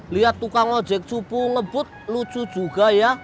lihat tukang ojek cupu ngebut lucu juga ya